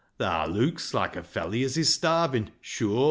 Thaa leuks loike a felley as is starvin', sure